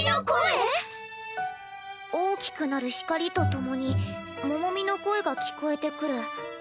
⁉「大きくなる光とともに、モモミの声が聞こえてくる」。